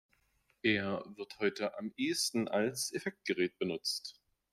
Er wird heute am ehesten als Effektgerät benutzt.